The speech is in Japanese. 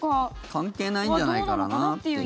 関係ないんじゃないかなっていう。